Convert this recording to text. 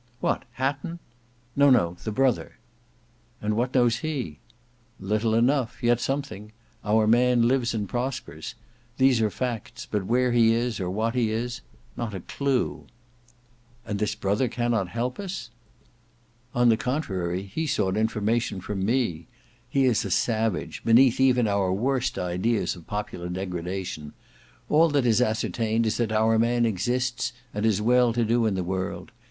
"What, Hatton?" "No, no; the brother." "And what knows he?" "Little enough; yet something. Our man lives and prospers; these are facts, but where he is, or what he is—not a clue." "And this brother cannot help us?" "On the contrary, he sought information from me; he is a savage, beneath even our worst ideas of popular degradation. All that is ascertained is that our man exists and is well to do in the world.